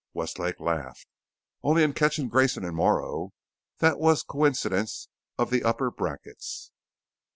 Westlake laughed. "Only in catching Grayson and Morrow. That was coincidence of the upper brackets."